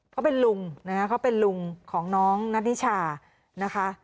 เขาเป็นลุงนะคะเขาเป็นลุงของน้องนัทนิชานะคะ